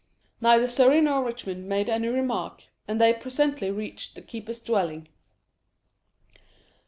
Neither Surrey nor Richmond made any remark, and they presently reached the keeper's dwelling.